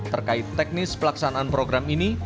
terkait teknis pelaksanaan program ini